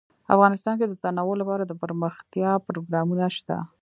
افغانستان کې د تنوع لپاره دپرمختیا پروګرامونه شته.